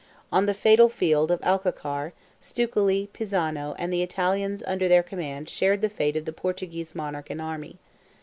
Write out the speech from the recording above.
On the fatal field of Alcacar, Stukely, Pisano, and the Italians under their command shared the fate of the Portuguese monarch and army.